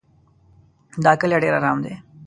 دا کلی ډېر ارام دی.